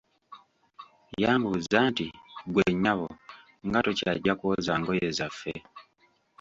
Yambuuza nti, "ggwe nnyabo, nga tokyajja kwoza ngoye zaffe?